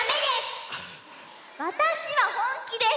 わたしはほんきです！